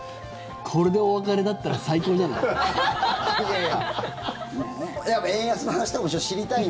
これでお別れだったら最高じゃない？